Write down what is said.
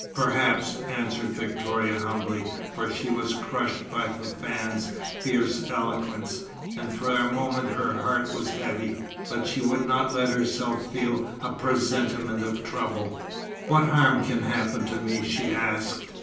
"Perhaps," answered Victoria humbly, for she was crushed by Fafann's fierce eloquence. And for a moment her heart was heavy; but she would not let herself feel a presentiment of trouble. "What harm can happen to me?" she asked.